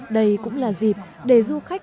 đây cũng là dịp để du khách